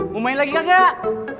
mau main lagi gak